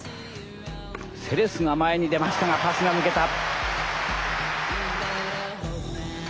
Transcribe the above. セレスが前に出ましたがパスが抜けた。